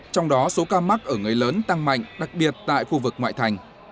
trong đó số ca mắc ở người lớn tăng mạnh đặc biệt tại khu vực ngoại thành